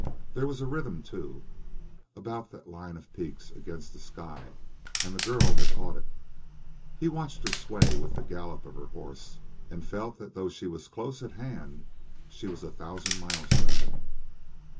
There was a rhythm, too, about that line of peaks against the sky, and the girl had caught it; he watched her sway with the gallop of her horse and felt that though she was so close at hand she was a thousand miles from him.